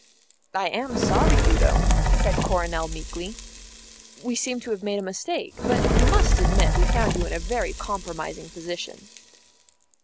"I am sorry, Udo," said Coronel meekly; "we seem to have made a mistake. But you must admit we found you in a very compromising position."